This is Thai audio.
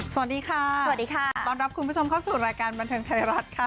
สวัสดีค่ะสวัสดีค่ะต้อนรับคุณผู้ชมเข้าสู่รายการบันเทิงไทยรัฐค่ะ